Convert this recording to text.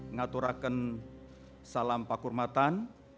ngaturakan salam pakurmatan